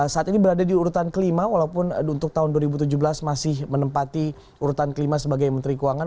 saat ini berada di urutan kelima walaupun untuk tahun dua ribu tujuh belas masih menempati urutan kelima sebagai menteri keuangan